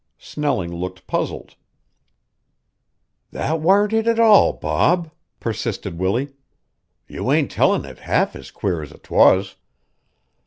Snelling looked puzzled. "That warn't it at all, Bob," persisted Willie. "You ain't tellin' it half as queer as 'twas."